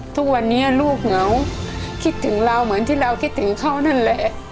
ทุกวันนี้ลูกเหงาคิดถึงเราเหมือนที่เราคิดถึงเขานั่นแหละ